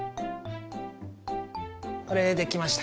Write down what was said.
これできました。